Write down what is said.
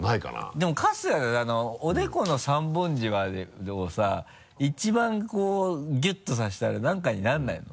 でも春日おでこの３本シワをさ一番ギュッとさせたらなにかにならないの？